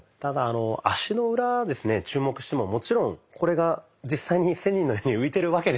足の裏ですね注目してももちろんこれが実際に仙人のように浮いてるわけではないんですよね。